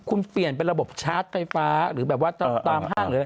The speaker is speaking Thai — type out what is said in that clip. คุณเปลี่ยนเป็นระบบชาร์จไฟฟ้าหรือแบบว่าตามห้างหรืออะไร